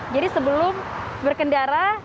jadi sebelum berkendara